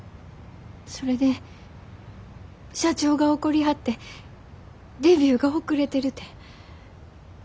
それで社長が怒りはってデビューが遅れてるて。